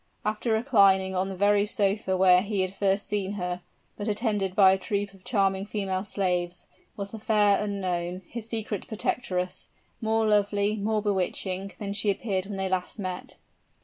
And, reclining on the very sofa where he had first seen her but attended by a troop of charming female slaves was the fair unknown his secret protectress more lovely, more bewitching, than she appeared when last they met.